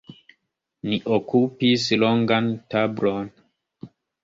Ni okupis longan tablon.